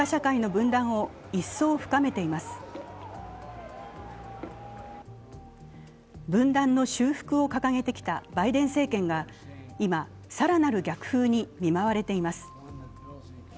分断の修復を掲げてきたバイデン政権が今、更なる逆風に見舞われています。